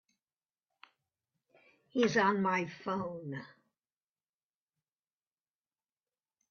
He's on my phone.